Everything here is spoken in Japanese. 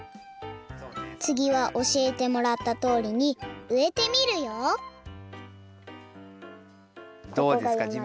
つぎはおしえてもらったとおりにうえてみるよどうですか？